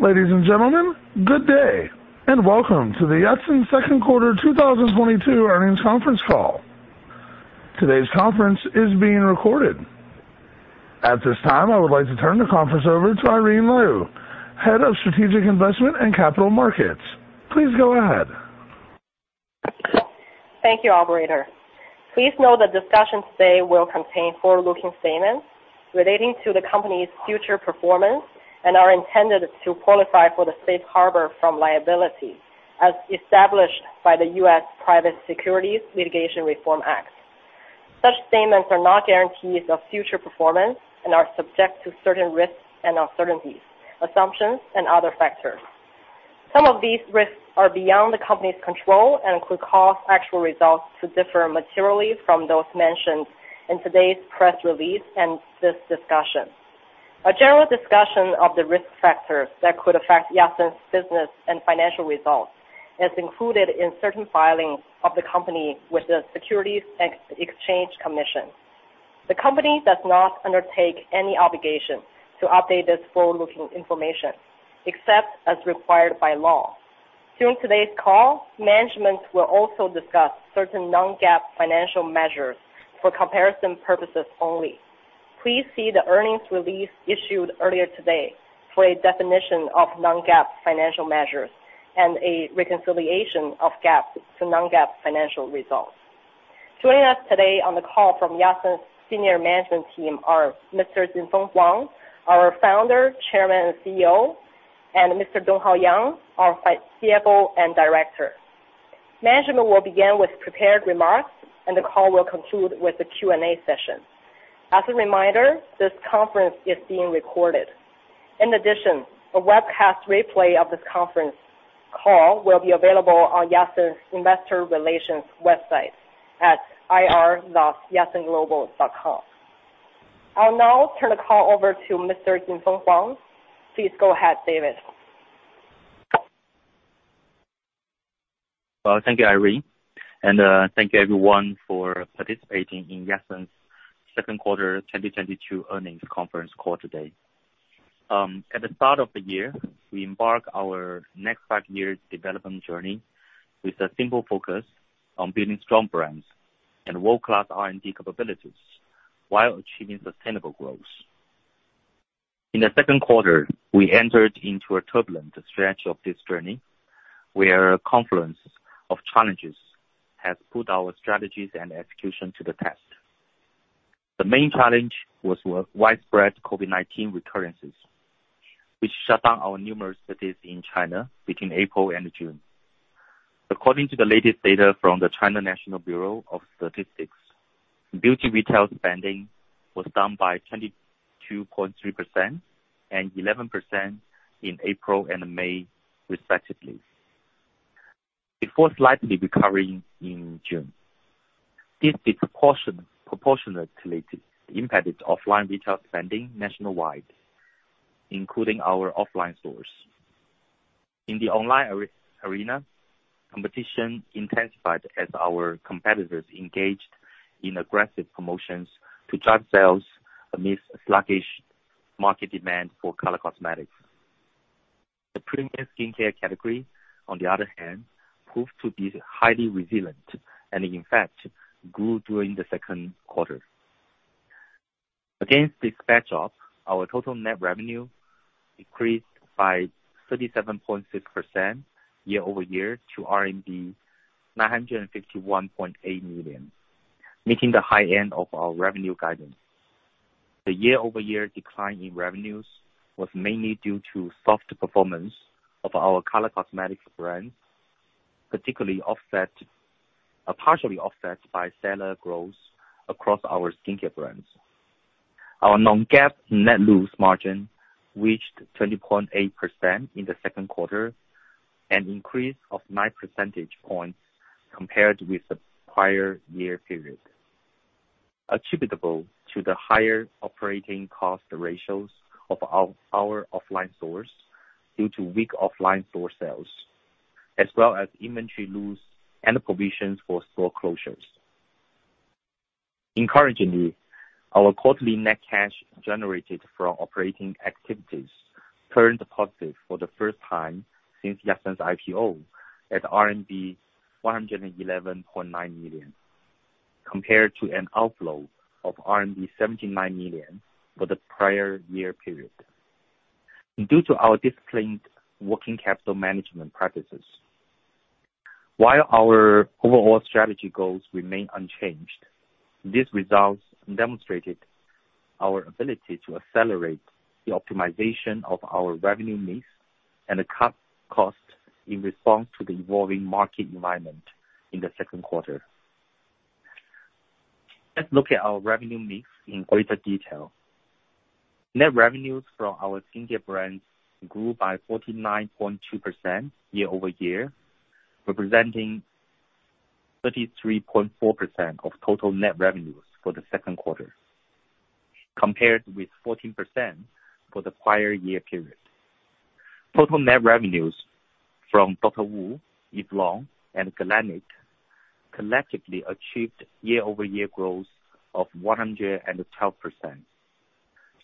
Ladies and gentlemen, good day and welcome to the Yatsen's second quarter 2022 earnings conference call. Today's conference is being recorded. At this time, I would like to turn the conference over to Irene Lyu, Head of Strategic Investment and Capital Markets. Please go ahead. Thank you, operator. Please note that discussions today will contain forward-looking statements relating to the company's future performance and are intended to qualify for the safe harbor from liability, as established by the U.S. Private Securities Litigation Reform Act. Such statements are not guarantees of future performance and are subject to certain risks and uncertainties, assumptions and other factors. Some of these risks are beyond the company's control and could cause actual results to differ materially from those mentioned in today's press release and this discussion. A general discussion of the risk factors that could affect Yatsen's business and financial results is included in certain filings of the company with the Securities and Exchange Commission. The company does not undertake any obligation to update this forward-looking information except as required by law. During today's call, management will also discuss certain non-GAAP financial measures for comparison purposes only. Please see the earnings release issued earlier today for a definition of non-GAAP financial measures and a reconciliation of GAAP to non-GAAP financial results. Joining us today on the call from Yatsen's senior management team are Mr. Jinfeng Huang (David Huang), our founder, chairman, and CEO, and Mr.Donghao Yang, our CFO and director. Management will begin with prepared remarks and the call will conclude with a Q&A session. As a reminder, this conference is being recorded. In addition, a webcast replay of this conference call will be available on Yatsen's investor relations website at ir.yatsenglobal.com. I'll now turn the call over to Mr. Jinfeng Huang (David Huang). Please go ahead, David. Well, thank you, Irene, and thank you everyone for participating in Yatsen's second quarter 2022 earnings conference call today. At the start of the year, we embark our next five years development journey with a simple focus on building strong brands and world-class R&D capabilities while achieving sustainable growth. In the second quarter, we entered into a turbulent stretch of this journey where a confluence of challenges has put our strategies and execution to the test. The main challenge was widespread COVID-19 recurrences which shut down numerous cities in China between April and June. According to the latest data from the National Bureau of Statistics of China, beauty retail spending was down by 22.3% and 11% in April and May respectively. It was slightly recovering in June. This disproportionately impacted offline retail spending nationwide, including our offline stores. In the online arena, competition intensified as our competitors engaged in aggressive promotions to drive sales amidst sluggish market demand for color cosmetics. The premium skincare category, on the other hand, proved to be highly resilient and in fact grew during the second quarter. Against this backdrop, our total net revenue decreased by 37.6% year-over-year to RMB 951.8 million, making the high end of our revenue guidance. The year-over-year decline in revenues was mainly due to soft performance of our color cosmetics brand, partially offset by stellar growth across our skincare brands. Our non-GAAP net loss margin reached 20.8% in the second quarter, an increase of nine percentage points compared with the prior year period. Attributable to the higher operating cost ratios of our offline stores due to weak offline store sales as well as inventory loss and provisions for store closures. Encouragingly, our quarterly net cash generated from operating activities turned positive for the first time since Yatsen's IPO at RMB 111.9 million, compared to an outflow of RMB 79 million for the prior year period due to our disciplined working capital management practices. While our overall strategy goals remain unchanged, these results demonstrated our ability to accelerate the optimization of our revenue mix and cut costs in response to the evolving market environment in the second quarter. Let's look at our revenue mix in greater detail. Net revenues from our skincare brands grew by 49.2% year-over-year, representing 33.4% of total net revenues for the second quarter, compared with 14% for the prior year period. Total net revenues from Dr. Wu, Eve Lom, and Galénic collectively achieved year-over-year growth of 112%,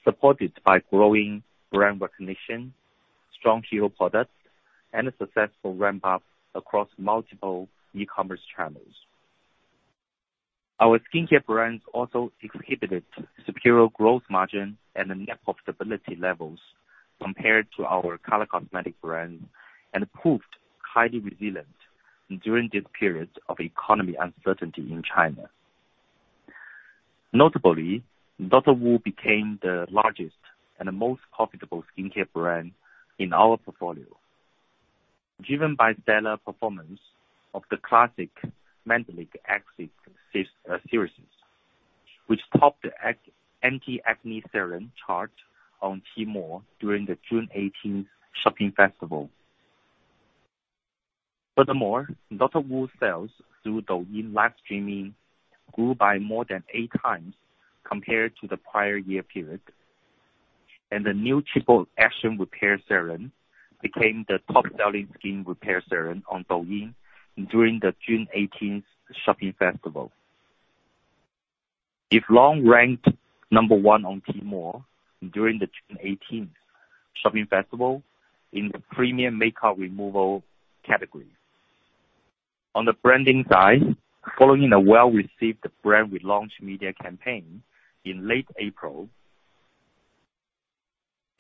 supported by growing brand recognition, strong new products, and a successful ramp up across multiple e-commerce channels. Our skincare brands also exhibited superior gross margin and the net profitability levels compared to our color cosmetic brand and proved highly resilient during this period of economic uncertainty in China. Notably, Dr. Wu became the largest and the most profitable skincare brand in our portfolio, driven by stellar performance of the classic Mandelic Acid series, which topped the anti-acne serum chart on Tmall during the 618 shopping festival. Furthermore, Dr. Wu sales through Douyin live streaming grew by more than 8 times compared to the prior year period, and the new Triple Action Repair Serum became the top-selling skin repair serum on Douyin during the June eighteenth shopping festival. Eve Lom ranked number one on Tmall during the June eighteenth shopping festival in the premium makeup removal category. On the branding side, following a well-received brand relaunch media campaign in late April,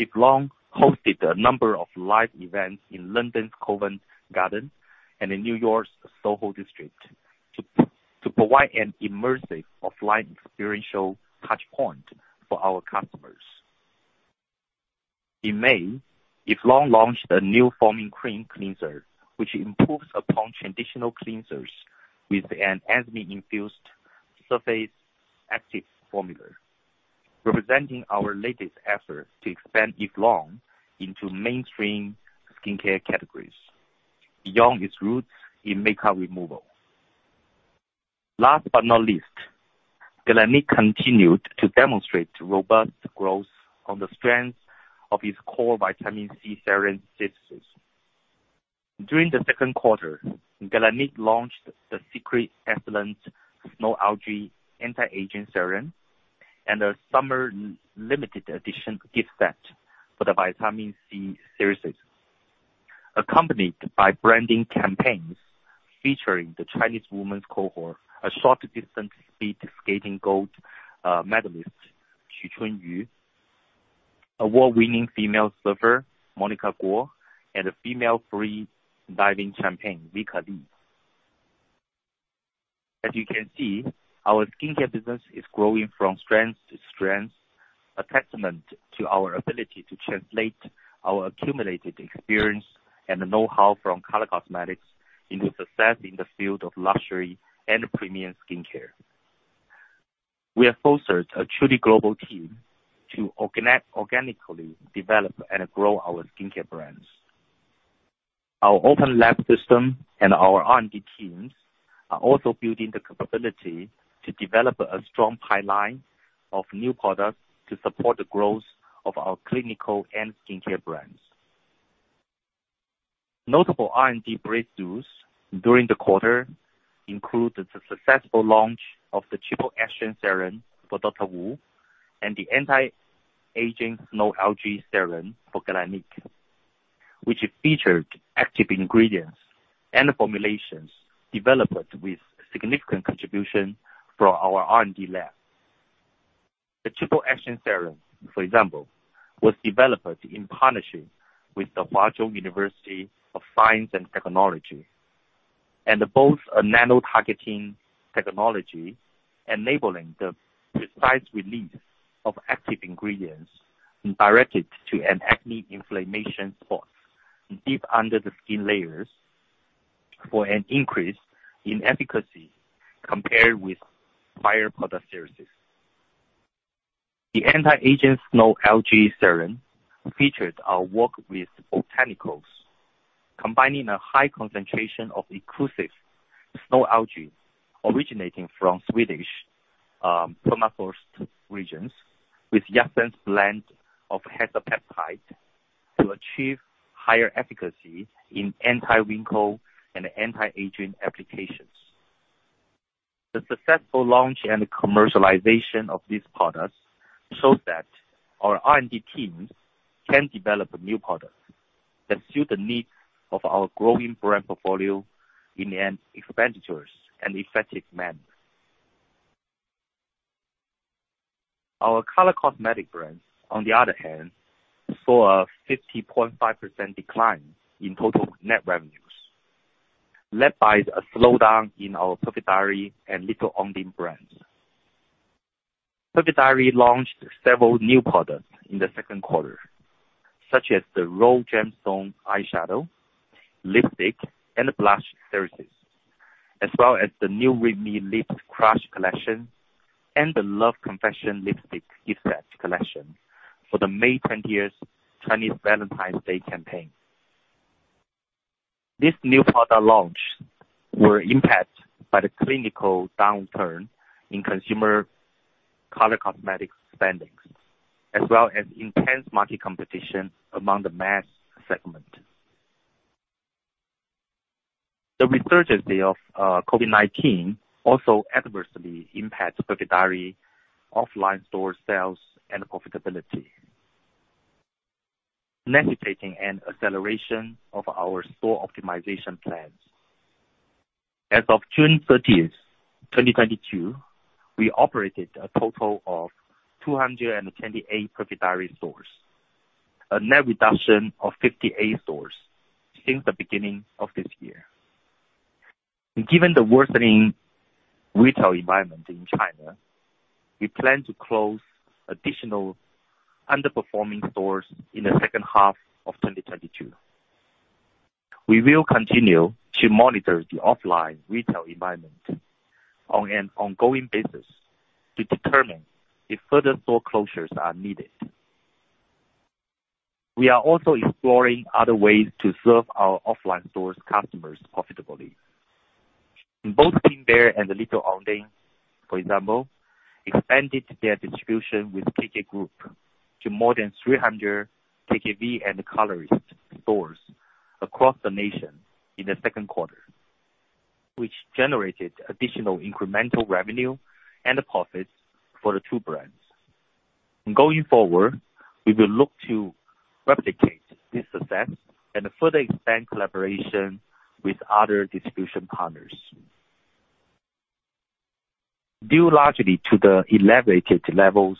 Eve Lom hosted a number of live events in London's Covent Garden and in New York's Soho district to provide an immersive offline experiential touch point for our customers. In May, Eve Lom launched a new Foaming Cream Cleanser, which improves upon traditional cleansers with an enzyme-infused surface active formula, representing our latest efforts to expand Eve Lom into mainstream skincare categories beyond its roots in makeup removal. Last but not least, Galénic continued to demonstrate robust growth on the strength of its core vitamin C serum successes. During the second quarter, Galénic launched the Secret d'Excellence Snow Algae Anti-Aging Serum and a summer limited edition gift set for the vitamin C serums, accompanied by branding campaigns featuring the Chinese women's short track speedskating gold medalist, Qu Chunyu, award-winning female surfer Monica Guo, and a female free-diving champion, Vicky Li Jiaoyi. As you can see, our skincare business is growing from strength to strength, a testament to our ability to translate our accumulated experience and the know-how from color cosmetics into success in the field of luxury and premium skincare. We have fostered a truly global team to organically develop and grow our skincare brands. Our Open Lab system and our R&D teams are also building the capability to develop a strong pipeline of new products to support the growth of our clinical and skincare brands. Notable R&D breakthroughs during the quarter included the successful launch of the Triple Action Serum for Dr. Wu and the Anti-Aging Snow Algae Serum for Galénic, which featured active ingredients and formulations developed with significant contribution from our R&D lab. The Triple Action Serum, for example, was developed in partnership with the Huazhong University of Science and Technology, and boasts a nano-targeting technology enabling the precise release of active ingredients directed to acne-inflamed spots deep under the skin layers for an increase in efficacy compared with prior product versions. The Anti-Aging Snow Algae Serum features our work with botanicals, combining a high concentration of exclusive snow algae originating from Swedish permafrost regions with Yatsen's blend of hexapeptide to achieve higher efficacy in anti-wrinkle and anti-aging applications. The successful launch and commercialization of these products shows that our R&D teams can develop new products that suit the needs of our growing brand portfolio in an expeditious and effective manner. Our color cosmetic brands, on the other hand, saw a 50.5% decline in total net revenues, led by a slowdown in our Perfect Diary and Little Ondine brands. Perfect Diary launched several new products in the second quarter, such as the Raw Gemstone Eyeshadow, lipstick and the Blush series, as well as the new ReadMe Lips Crush collection and the Love Confession lipstick gift set collection for the May 20 Chinese Valentine's Day campaign. This new product launch was impacted by the cyclical downturn in consumer color cosmetic spending, as well as intense market competition among the mass segment. The resurgence of COVID-19 also adversely impacted Perfect Diary offline store sales and profitability, necessitating an acceleration of our store optimization plans. As of June 30, 2022, we operated a total of 228 Perfect Diary stores, a net reduction of 58 stores since the beginning of this year. Given the worsening retail environment in China, we plan to close additional underperforming stores in the second half of 2022. We will continue to monitor the offline retail environment on an ongoing basis to determine if further store closures are needed. We are also exploring other ways to serve our offline stores' customers profitably. Both Pink Bear and the Little Ondine, for example, expanded their distribution with KK Group to more than 300 KKV and THE COLORIST stores across the nation in the second quarter, which generated additional incremental revenue and profits for the two brands. Going forward, we will look to replicate this success and further expand collaboration with other distribution partners. Due largely to the elevated levels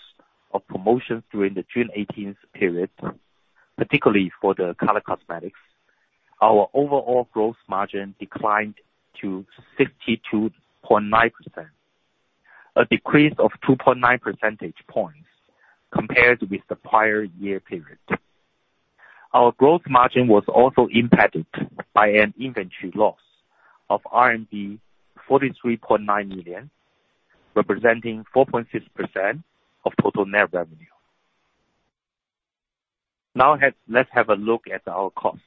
of promotion during the June 18 period, particularly for the color cosmetics, our overall gross margin declined to 62.9%, a decrease of 2.9 percentage points compared with the prior year period. Our gross margin was also impacted by an inventory loss of 43.9 million, representing 4.6% of total net revenue. Let's have a look at our cost.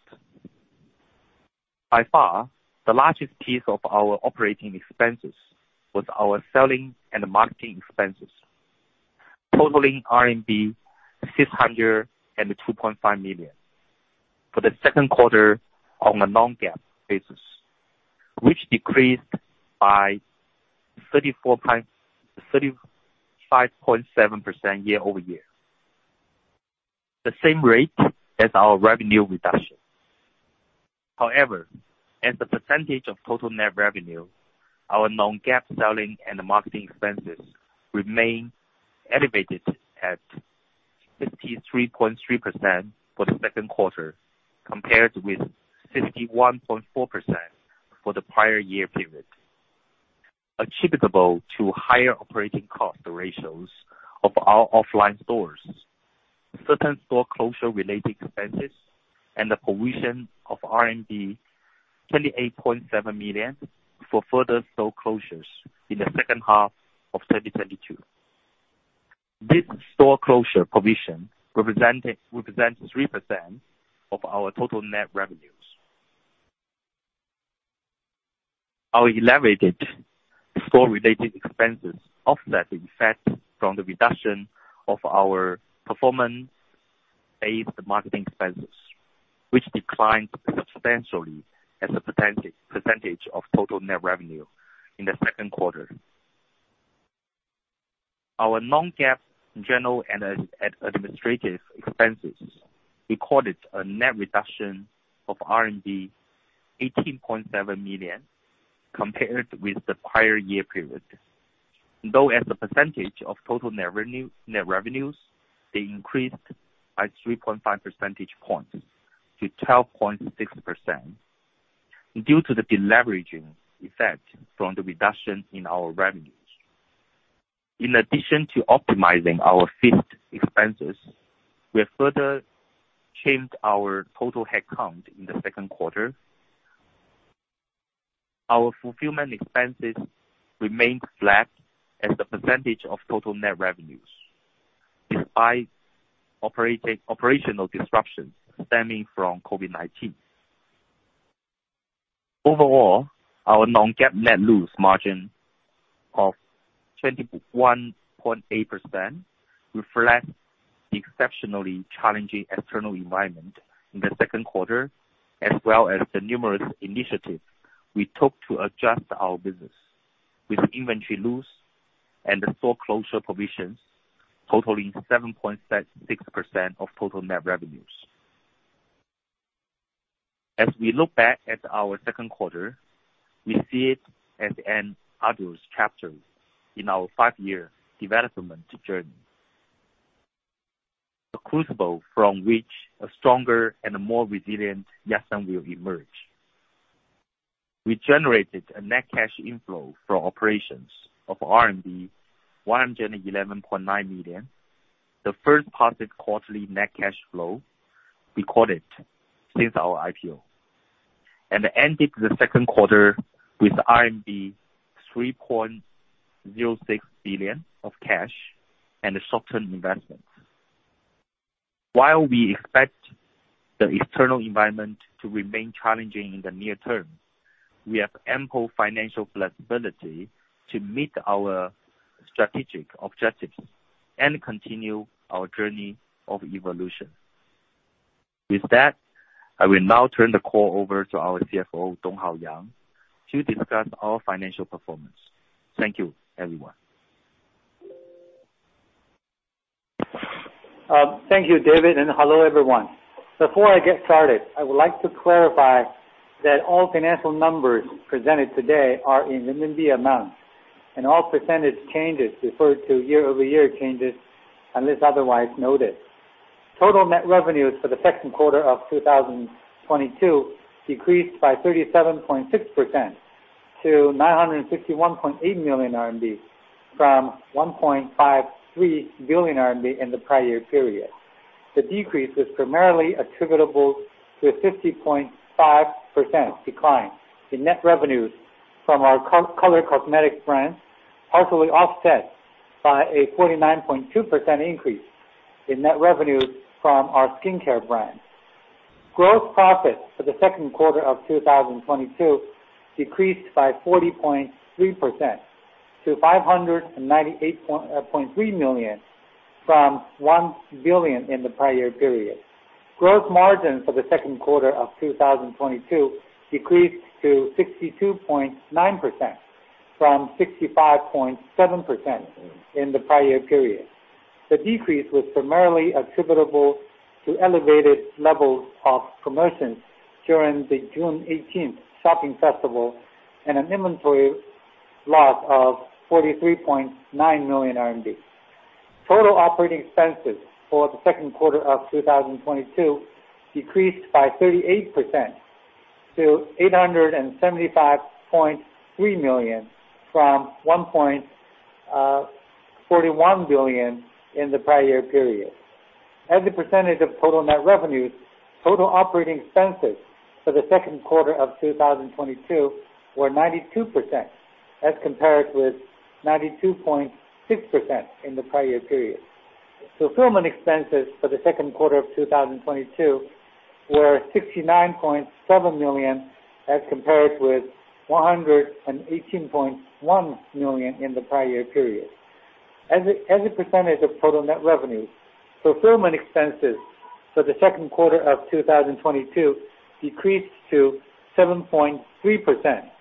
By far, the largest piece of our operating expenses was our selling and marketing expenses, totaling RMB 602.5 million for the second quarter on a non-GAAP basis, which decreased by 35.7% year-over-year. The same rate as our revenue reduction. However, as a percentage of total net revenue, our non-GAAP selling and marketing expenses remain elevated at 63.3% for the second quarter, compared with 61.4% for the prior year period. Attributable to higher operating cost ratios of our offline stores, certain store closure related expenses and the provision of 28.7 million for further store closures in the second half of 2022. This store closure provision represented 3% of our total net revenues. Our elevated store related expenses offset the effect from the reduction of our performance-based marketing expenses, which declined substantially as a percentage of total net revenue in the second quarter. Our non-GAAP general and administrative expenses recorded a net reduction of RMB 18.7 million compared with the prior year period. Though as a percentage of total net revenue, they increased by 3.5 percentage points to 12.6% due to the deleveraging effect from the reduction in our revenues. In addition to optimizing our fixed expenses, we have further trimmed our total headcount in the second quarter. Our fulfillment expenses remained flat as the percentage of total net revenues, despite operational disruptions stemming from COVID-19. Overall, our non-GAAP net loss margin of 21.8% reflects the exceptionally challenging external environment in the second quarter, as well as the numerous initiatives we took to adjust our business with inventory loss and the store closure provisions totaling 7.66% of total net revenues. As we look back at our second quarter, we see it as an arduous chapter in our five-year development journey. The crucible from which a stronger and more resilient Yatsen will emerge. We generated a net cash inflow from operations of 111.9 million, the first positive quarterly net cash flow recorded since our IPO, and ended the second quarter with RMB 3.06 billion of cash and short-term investments. While we expect the external environment to remain challenging in the near term, we have ample financial flexibility to meet our strategic objectives and continue our journey of evolution. With that, I will now turn the call over to our CFO, Donghao Yang, to discuss our financial performance. Thank you, everyone. Thank you, David, and hello, everyone. Before I get started, I would like to clarify that all financial numbers presented today are in renminbi amount, and all percentage changes refer to year-over-year changes unless otherwise noted. Total net revenues for the second quarter of 2022 decreased by 37.6% to 961.8 million RMB, from 1.53 billion RMB in the prior year period. The decrease was primarily attributable to a 50.5% decline in net revenues from our color cosmetic brands, partially offset by a 49.2% increase in net revenues from our skincare brand. Gross profit for the second quarter of 2022 decreased by 40.3% to 598.3 million, from 1 billion in the prior year period. Gross margin for the second quarter of 2022 decreased to 62.9% from 65.7% in the prior year period. The decrease was primarily attributable to elevated levels of promotions during the 618 shopping festival and an inventory loss of 43.9 million RMB. Total operating expenses for the second quarter of 2022 decreased by 38% to 875.3 million, from 1.41 billion in the prior year period. As a percentage of total net revenues, total operating expenses for the second quarter of 2022 were 92% as compared with 92.6% in the prior year period. Fulfillment expenses for the second quarter of 2022 were 69.7 million, as compared with 118.1 million in the prior year period. As a percentage of total net revenue, fulfillment expenses for the second quarter of 2022 decreased to 7.3%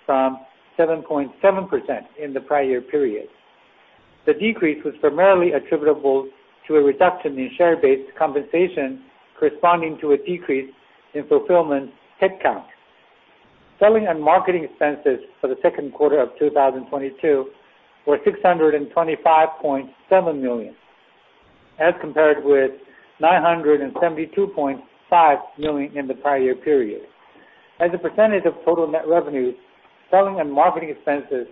from 7.7% in the prior year period. The decrease was primarily attributable to a reduction in share-based compensation corresponding to a decrease in fulfillment headcount. Selling and marketing expenses for the second quarter of 2022 were 625.7 million, as compared with 972.5 million in the prior year period. As a percentage of total net revenue, selling and marketing expenses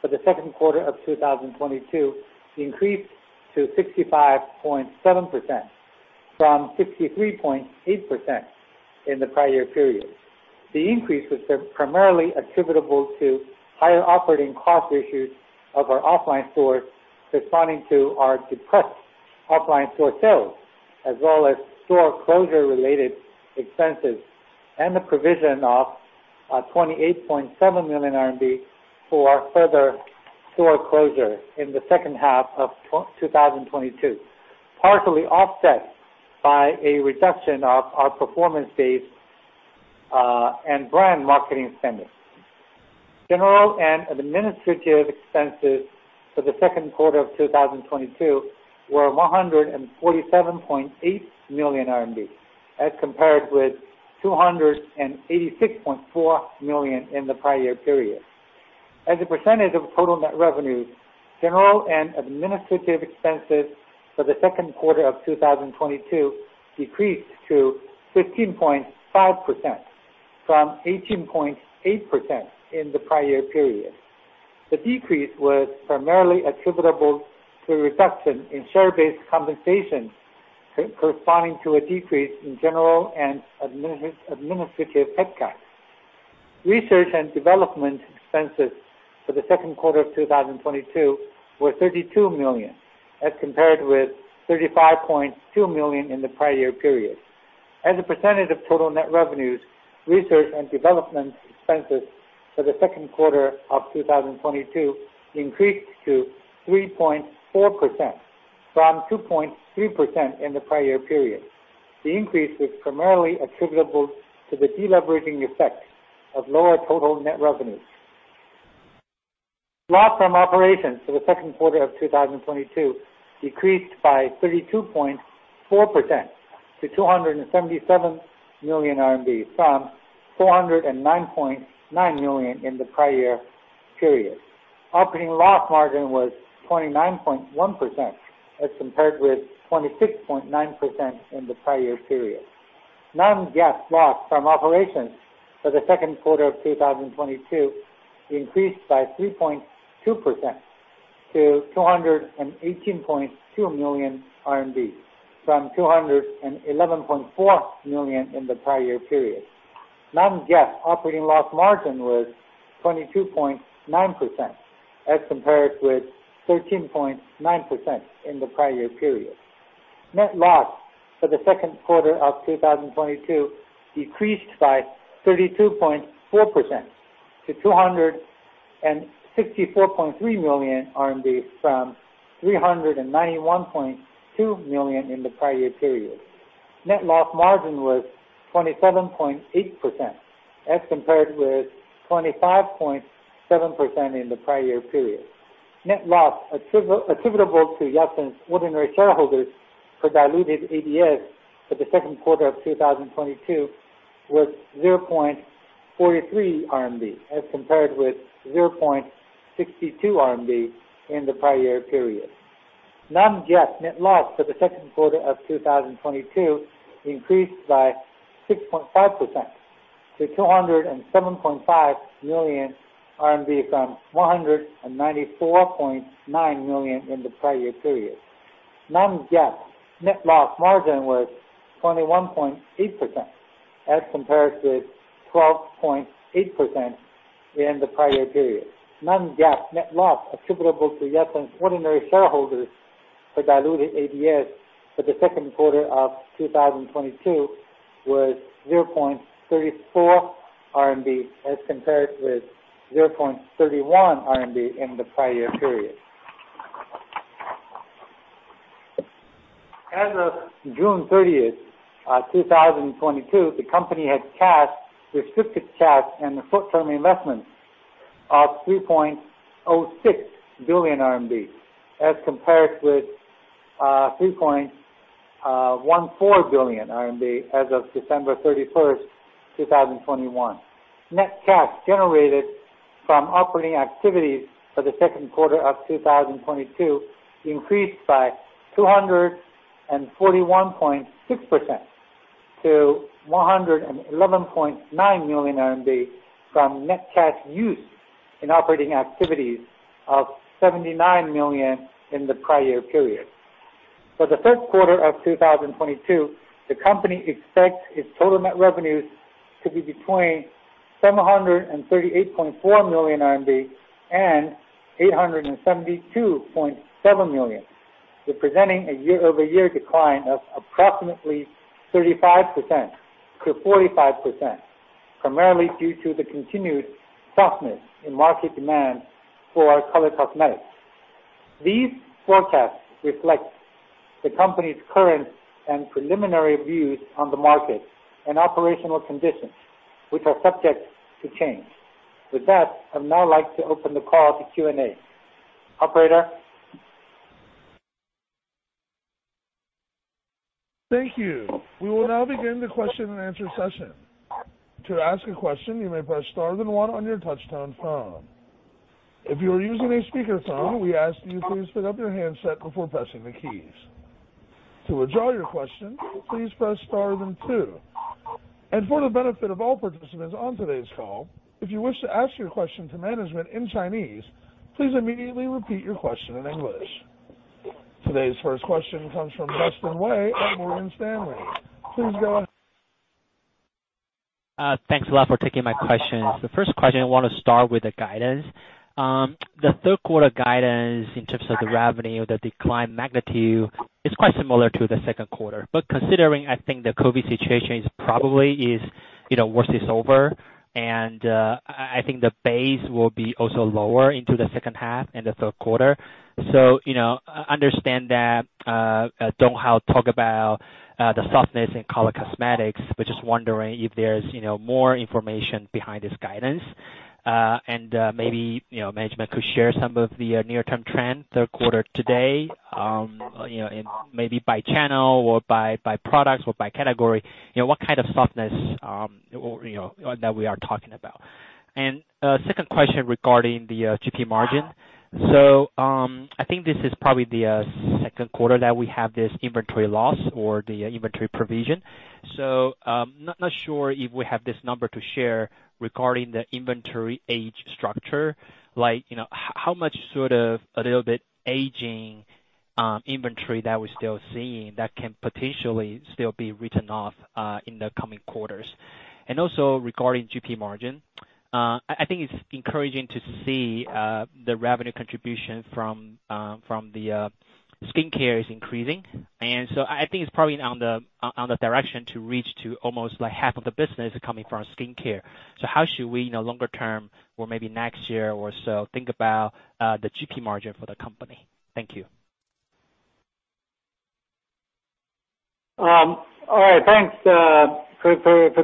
for the second quarter of 2022 increased to 65.7% from 63.8% in the prior year period. The increase was primarily attributable to higher operating cost issues of our offline stores corresponding to our depressed offline store sales, as well as store closure related expenses and the provision of 28.7 million RMB for further store closure in the second half of 2022. Partially offset by a reduction of our performance-based and brand marketing spending. General and administrative expenses for the second quarter of 2022 were 147.8 million RMB, as compared with 286.4 million in the prior year period. As a percentage of total net revenue, general and administrative expenses for the second quarter of 2022 decreased to 15.5% from 18.8% in the prior year period. The decrease was primarily attributable to a reduction in share-based compensation corresponding to a decrease in general and administrative headcount. Research and development expenses for the second quarter of 2022 were 32 million, as compared with 35.2 million in the prior year period. As a percentage of total net revenues, research and development expenses for the second quarter of 2022 increased to 3.4% from 2.3% in the prior year period. The increase was primarily attributable to the deleveraging effect of lower total net revenues. Loss from operations for the second quarter of 2022 decreased by 32.4% to 277 million RMB from 409.9 million in the prior year period. Operating loss margin was 29.1% as compared with 26.9% in the prior year period. Non-GAAP loss from operations for the second quarter of 2022 increased by 3.2% to 218.2 million RMB from 211.4 million in the prior year period. Non-GAAP operating loss margin was 22.9% as compared with 13.9% in the prior year period. Net loss for the second quarter of 2022 decreased by 32.4% to 264.3 million from 391.2 million in the prior year period. Net loss margin was 27.8% as compared with 25.7% in the prior year period. Net loss attributable to Yatsen's ordinary shareholders for diluted ADS for the second quarter of 2022 was 0.43 as compared with CNY 0.62 in the prior year period. Non-GAAP net loss for the second quarter of 2022 increased by 6.5% to CNY 207.5 million from CNY 194.9 million in the prior year period. Non-GAAP net loss margin was 21.8% as compared to 12.8% in the prior year period. Non-GAAP net loss attributable to Yatsen's ordinary shareholders for diluted ADS for the second quarter of 2022 was CNY 0.34 as compared with CNY 0.31 in the prior year period. As of June 30, 2022, the company had cash, restricted cash and the short-term investments of 3.06 billion RMB as compared with 3.14 billion RMB as of December 31, 2021. Net cash generated from operating activities for the second quarter of 2022 increased by 241.6% to 111.9 million RMB from net cash use in operating activities of 79 million in the prior year period. For the third quarter of 2022, the company expects its total net revenues to be between 738.4 million RMB and 872.7 million, representing a year-over-year decline of approximately 35%-45%, primarily due to the continued softness in market demand for color cosmetics. These forecasts reflect the company's current and preliminary views on the market and operational conditions, which are subject to change. With that, I'd now like to open the call to Q&A. Operator? Thank you. We will now begin the question-and-answer session. To ask a question, you may press star then one on your touchtone phone. If you are using a speakerphone, we ask that you please pick up your handset before pressing the keys. To withdraw your question, please press star then two. For the benefit of all participants on today's call, if you wish to ask your question to management in Chinese, please immediately repeat your question in English. Today's first question comes from Dustin Wei at Morgan Stanley. Please go ahead. Thanks a lot for taking my questions. The first question, I want to start with the guidance. The third quarter guidance in terms of the revenue, the decline magnitude is quite similar to the second quarter. Considering, I think, the COVID situation is probably the worst is over, and I think the base will also be lower into the second half and the third quarter. You know, understand that Dong Hao talked about the softness in color cosmetics, but just wondering if there's, you know, more information behind this guidance. And maybe, you know, management could share some of the near-term trends, third quarter to date, you know, and maybe by channel or by products or by category. You know, what kind of softness, or, you know, that we are talking about? Second question regarding the GP margin. I think this is probably the second quarter that we have this inventory loss or the inventory provision. Not sure if we have this number to share regarding the inventory age structure. How much sort of a little bit aging inventory that we're still seeing that can potentially still be written off in the coming quarters? Also regarding GP margin, I think it's encouraging to see the revenue contribution from the skincare is increasing. I think it's probably on the direction to reach almost like half of the business coming from skincare. How should we longer term or maybe next year or so think about the GP margin for the company? Thank you. All right, thanks for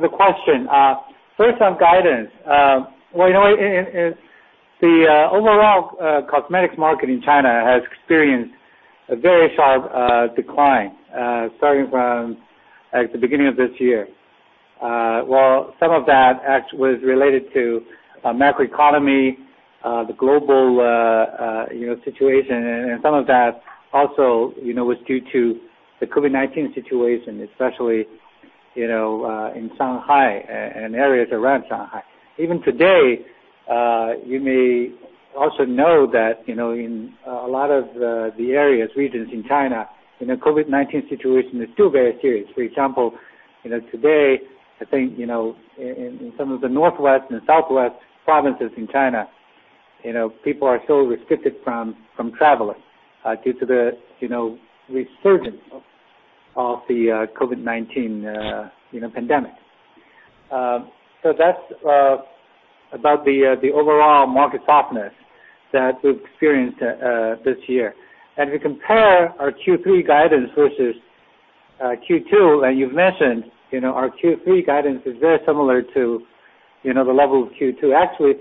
the question. First on guidance. Well, you know, in the overall cosmetics market in China has experienced a very sharp decline starting from, like, the beginning of this year. While some of that impact was related to macroeconomic, the global, you know, situation, and some of that also, you know, was due to the COVID-19 situation, especially, you know, in Shanghai and areas around Shanghai. Even today, you may also know that, you know, in a lot of the areas, regions in China, you know, COVID-19 situation is still very serious. For example, you know, today, I think, you know, in some of the northwest and southwest provinces in China, you know, people are still restricted from traveling due to the, you know, resurgence of the COVID-19, you know, pandemic. So that's about the the overall market softness that we've experienced this year. As we compare our Q3 guidance versus Q2, and you've mentioned, you know, our Q3 guidance is very similar to, you know, the level of Q2. Actually,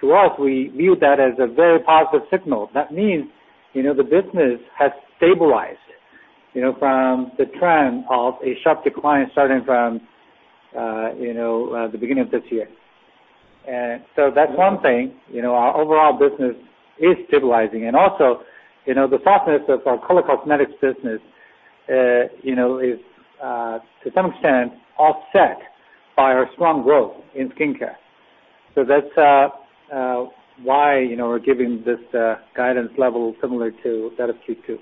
to us, we view that as a very positive signal. That means, you know, the business has stabilized, you know, from the trend of a sharp decline starting from you know, the beginning of this year. That's one thing, you know, our overall business is stabilizing. You know, the softness of our color cosmetics business is to some extent offset by our strong growth in skincare. That's why we're giving this guidance level similar to that of Q2.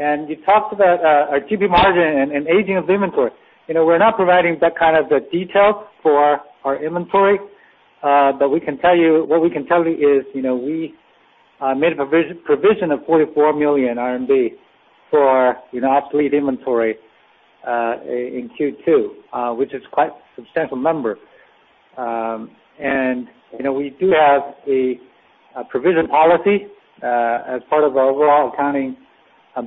You talked about our GP margin and aging of inventory. You know, we're not providing that kind of details for our inventory. But what we can tell you is, you know, we made a provision of 44 million RMB for obsolete inventory in Q2, which is quite substantial number. You know, we do have a provision policy as part of our overall accounting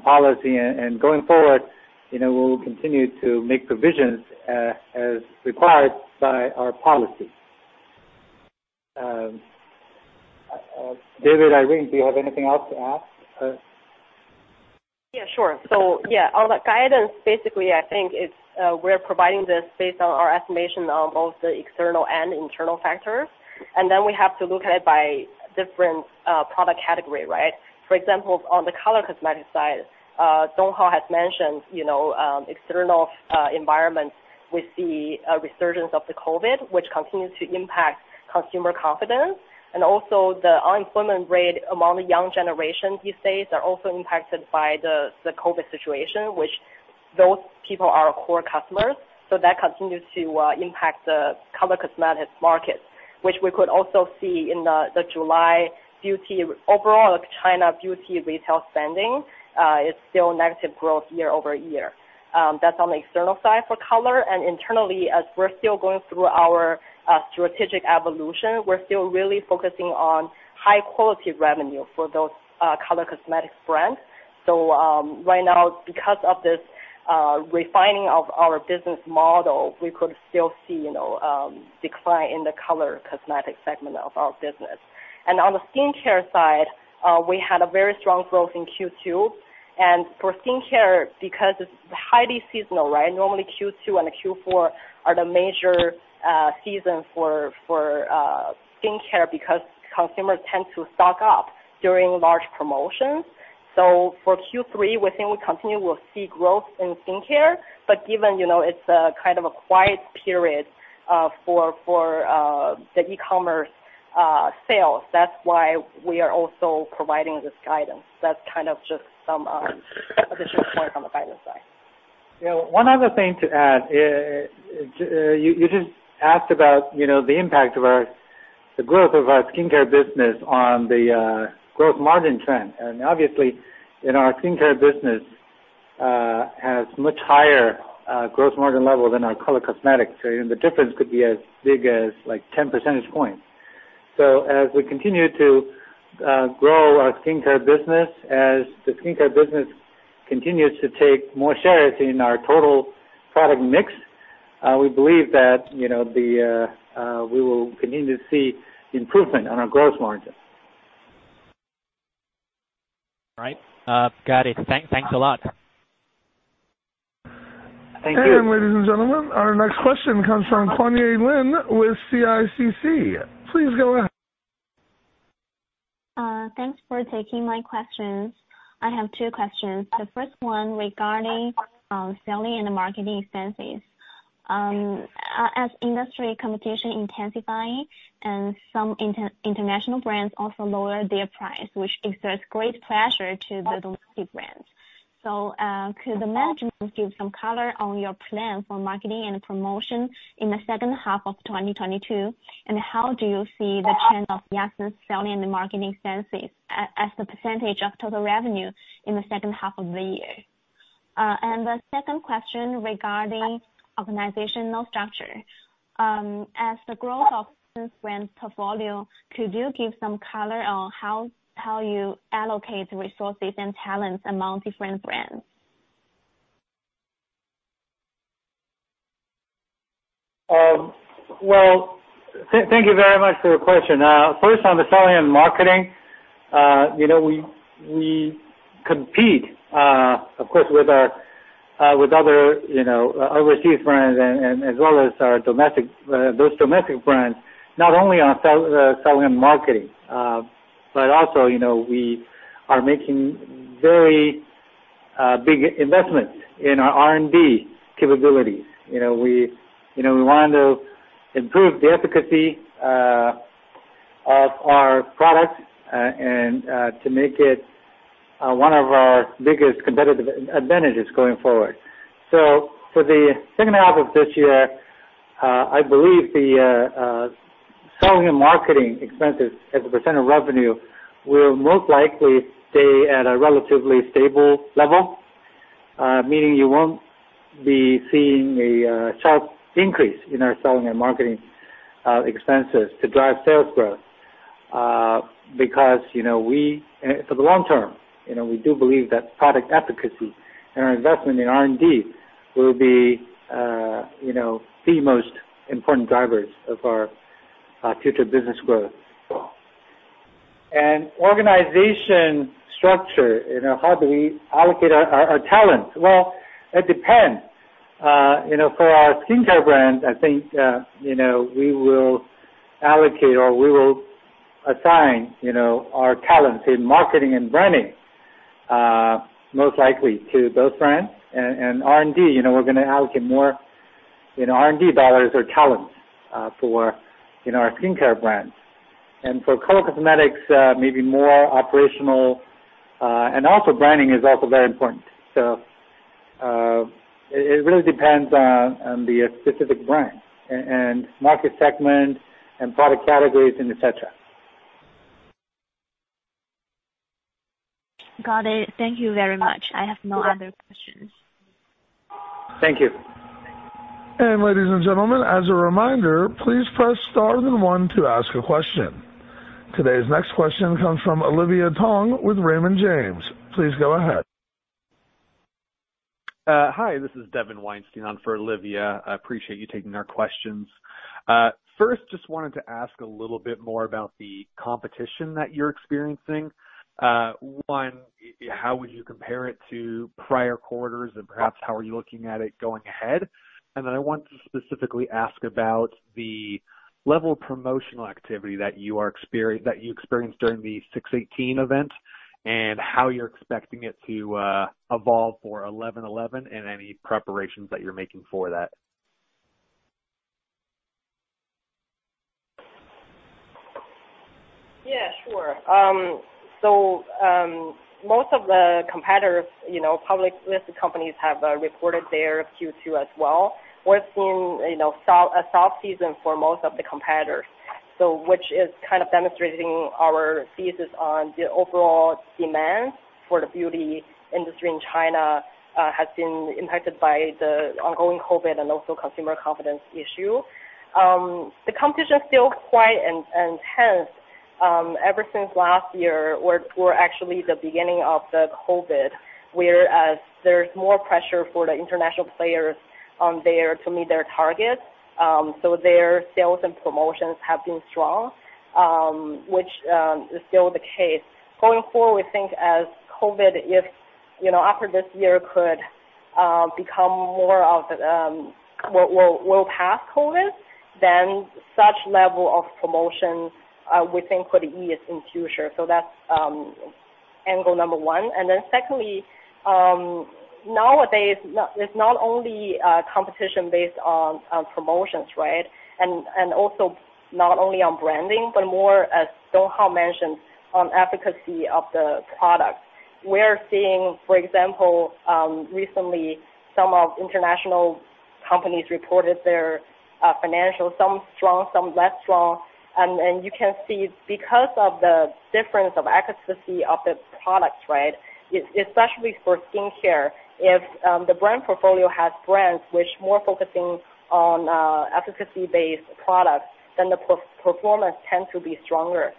policy. Going forward, you know, we will continue to make provisions as required by our policy. David, Irene, do you have anything else to add? Yeah, sure. On the guidance, basically, I think it's we're providing this based on our estimation on both the external and internal factors. Then we have to look at it by different product category, right? For example, on the color cosmetics side, Donghao has mentioned, you know, external environment with the resurgence of the COVID, which continues to impact consumer confidence. Also the unemployment rate among the young generation these days are also impacted by the COVID situation, which those people are our core customers. That continues to impact the color cosmetics market, which we could also see in the July beauty. Overall, like, China beauty retail spending is still negative growth year-over-year. That's on the external side for color. Internally, as we're still going through our strategic evolution, we're still really focusing on high quality revenue for those color cosmetics brands. Right now, because of this refining of our business model, we could still see, you know, decline in the color cosmetic segment of our business. On the skincare side, we had a very strong growth in Q2. For skincare, because it's highly seasonal, right? Normally, Q2 and Q4 are the major season for skincare because consumers tend to stock up during large promotions. For Q3, we think we'll see growth in skincare, but given, you know, it's a kind of a quiet period for the e-commerce sales, that's why we are also providing this guidance. That's kind of just some additional point on the guidance side. Yeah. One other thing to add. You just asked about, you know, the impact of the growth of our skincare business on the gross margin trend. Obviously, you know, our skincare business has much higher gross margin level than our color cosmetics. Even the difference could be as big as, like, 10 percentage points. As we continue to grow our skincare business, as the skincare business continues to take more shares in our total product mix, we believe that, you know, we will continue to see improvement on our gross margin. All right. Got it. Thanks a lot. Thank you. Ladies and gentlemen, our next question comes from Maggie Huang with CICC. Please go ahead. Thanks for taking my questions. I have two questions. The first one regarding selling and marketing expenses. As industry competition intensifying and some international brands also lower their price, which exerts great pressure to the domestic brands. Could the management give some color on your plan for marketing and promotion in the second half of 2022? And how do you see the trend of Yatsen's selling and marketing expenses as a percentage of total revenue in the second half of the year? The second question regarding organizational structure. As the growth of Yatsen's brand portfolio, could you give some color on how you allocate resources and talents among different brands? Thank you very much for your question. First, on the selling and marketing, you know, we compete, of course, with other, you know, overseas brands and as well as our domestic, those domestic brands, not only on selling and marketing, but also, you know, we are making very big investment in our R&D capabilities. You know, we, you know, we want to improve the efficacy, of our products, and to make it, one of our biggest competitive advantages going forward. For the second half of this year, I believe the selling and marketing expenses as a % of revenue will most likely stay at a relatively stable level. Meaning you won't be seeing a sharp increase in our selling and marketing expenses to drive sales growth, because you know for the long term you know we do believe that product efficacy and our investment in R&D will be you know the most important drivers of our future business growth. Organization structure, you know, how do we allocate our talent? Well, it depends. You know, for our skincare brand, I think you know we will allocate or we will assign you know our talents in marketing and branding most likely to those brands. And R&D, you know, we're going to allocate more you know R&D dollars or talents for you know our skincare brands. And for color cosmetics, maybe more operational, and also branding is also very important. It really depends on the specific brand and market segment and product categories and et cetera. Got it. Thank you very much. I have no other questions. Thank you. Ladies and gentlemen, as a reminder, please press star then one to ask a question. Today's next question comes from Olivia Tong with Raymond James. Please go ahead. Hi, this is Devin Weinstein on for Olivia. I appreciate you taking our questions. First, just wanted to ask a little bit more about the competition that you're experiencing. One, how would you compare it to prior quarters and perhaps how are you looking at it going ahead? I wanted to specifically ask about the level of promotional activity that you experienced during the 618 event and how you're expecting it to evolve for 11.11 and any preparations that you're making for that. Yeah, sure. Most of the competitors, you know, public listed companies have reported their Q2 as well. We're seeing, you know, so a soft season for most of the competitors. Which is kind of demonstrating our thesis on the overall demand for the beauty industry in China has been impacted by the ongoing COVID and also consumer confidence issue. The competition is still quite intense. Ever since last year we were actually at the beginning of the COVID, where there's more pressure for the international players in their to meet their targets. Their sales and promotions have been strong, which is still the case. Going forward, we think as COVID, if you know after this year could become more of we'll pass COVID, then such level of promotions we think could ease in future. That's angle number one. Secondly, nowadays it's not only competition based on promotions, right? Also not only on branding, but more, as Donghao Yang mentioned, on efficacy of the product. We're seeing, for example, recently some of international companies reported their financial, some strong, some less strong. You can see because of the difference of efficacy of the products, right, especially for skincare, if the brand portfolio has brands which more focusing on efficacy-based products, then the performance tends to be stronger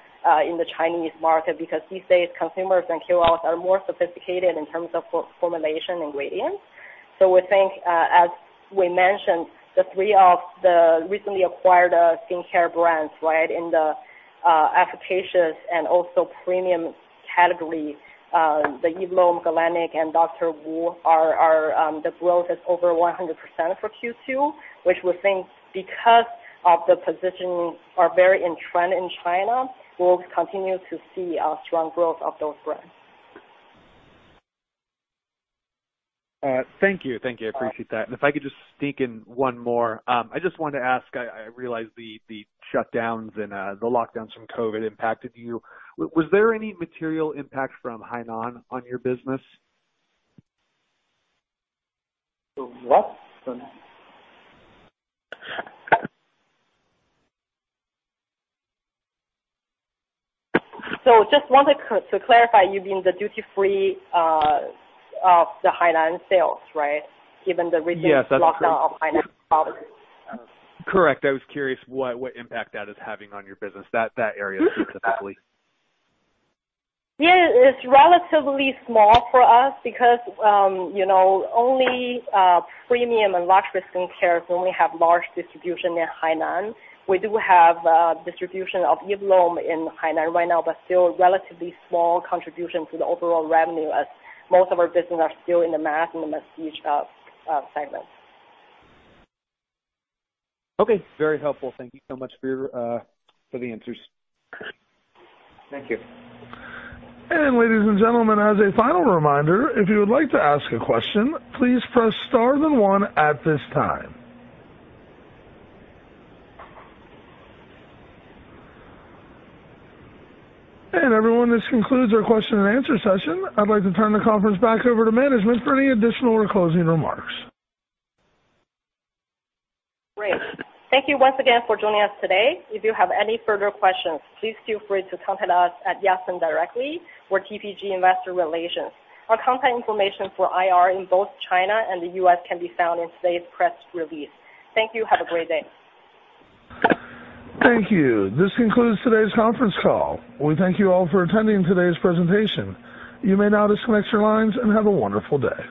in the Chinese market because these days consumers and KOLs are more sophisticated in terms of formulation ingredients. We think, as we mentioned, the three of the recently acquired skincare brands, right, in the efficacious and also premium category, the Eve Lom, Galénic and Dr. Wu are the growth is over 100% for Q2, which we think because of the positioning are very in trend in China, we'll continue to see a strong growth of those brands. Thank you. I appreciate that. If I could just sneak in one more. I just wanted to ask, I realize the shutdowns and the lockdowns from COVID impacted you. Was there any material impact from Hainan on your business? From what? From Hainan. Just wanted to clarify, you mean the duty-free of the Hainan sales, right? Given the recent- Yes, that's correct. Lockdown of Hainan Province. Correct. I was curious what impact that is having on your business, that area specifically. It's relatively small for us because, you know, only premium and luxury skincare only have large distribution in Hainan. We do have distribution of Eve Lom in Hainan right now, but still relatively small contribution to the overall revenue as most of our business are still in the mass market segment. Okay, very helpful. Thank you so much for the answers. Thank you. Ladies and gentlemen, as a final reminder, if you would like to ask a question, please press star then one at this time. Everyone, this concludes our question and answer session. I'd like to turn the conference back over to management for any additional or closing remarks. Great. Thank you once again for joining us today. If you have any further questions, please feel free to contact us at Yatsen directly or TPG Investor Relations. Our contact information for IR in both China and the U.S. can be found in today's press release. Thank you. Have a great day. Thank you. This concludes today's conference call. We thank you all for attending today's presentation. You may now disconnect your lines and have a wonderful day.